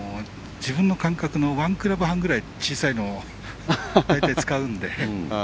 自分の感覚の１クラブ半ぐらい小さいものを大体、使うので。